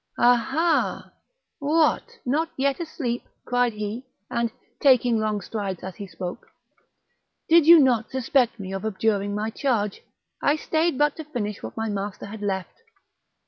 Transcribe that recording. "Ah, ha! what, not yet asleep!" cried he; and, taking long strides as he spoke. "Did you not suspect me of abjuring my charge? I stayed but to finish what my master had left."